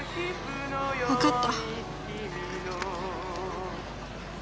わかった。